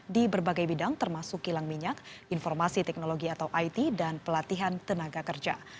di berbagai bidang termasuk kilang minyak informasi teknologi atau it dan pelatihan tenaga kerja